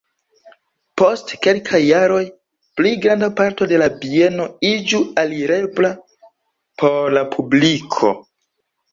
Post kelkaj jaroj pli granda parto de la bieno iĝu alirebla por la publiko.